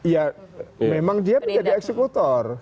ya memang dia menjadi eksekutor